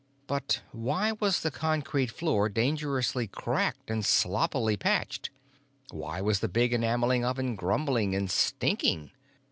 But why was the concrete floor dangerously cracked and sloppily patched? Why was the big enameling oven rumbling and stinking?